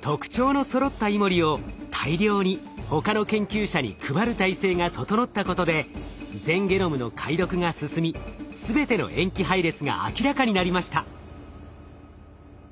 特徴のそろったイモリを大量に他の研究者に配る体制が整ったことで全ゲノムの解読が進み全ての塩基配列が明らかになりました。